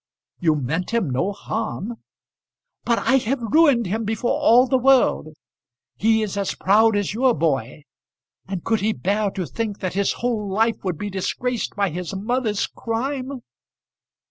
"You meant him no harm." "But I have ruined him before all the world. He is as proud as your boy; and could he bear to think that his whole life would be disgraced by his mother's crime?"